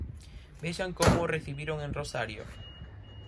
Vexan como o recibiron en Rosario.